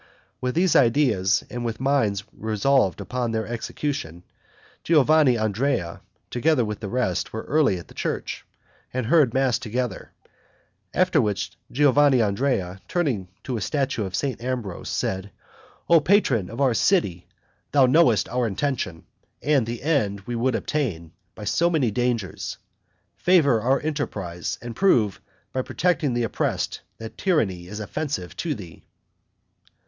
With these ideas, and with minds resolved upon their execution, Giovanandrea, together with the rest, were early at the church, and heard mass together; after which, Giovanandrea, turning to a statue of St. Ambrose, said, "O patron of our city! thou knowest our intention, and the end we would attain, by so many dangers; favor our enterprise, and prove, by protecting the oppressed, that tyranny is offensive to thee."